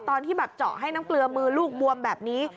ตอนที่แบบเจาะให้น้ำเกลือมือลูกบวมแบบนี้